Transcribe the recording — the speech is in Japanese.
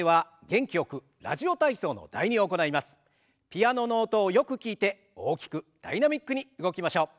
ピアノの音をよく聞いて大きくダイナミックに動きましょう。